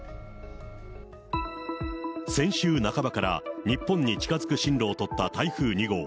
先週半ばから日本に近づく進路を取った台風２号。